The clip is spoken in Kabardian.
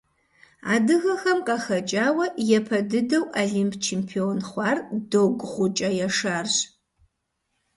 Адыгэхэм къахэкӀауэ япэ дыдэу Олимп чемпион хъуар Догу-ГъукӀэ Яшарщ.